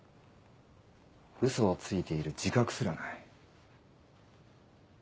嘘をついている自覚すらない。